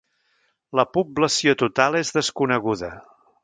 La població total és desconeguda.